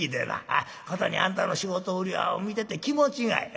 ことにあんたの仕事ぶりは見てて気持ちがええ。